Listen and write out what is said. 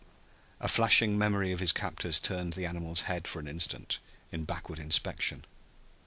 A flashing memory of his captors turned the animal's head for an instant in backward inspection.